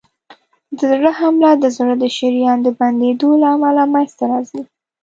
د زړه حمله د زړه د شریان د بندېدو له امله منځته راځي.